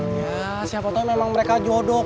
ya siapa tau memang mereka jodoh